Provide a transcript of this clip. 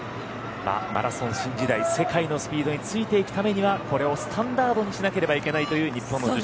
マラソン新時代世界のスピードについていくためにはこれをスタンダードにしなければいけないという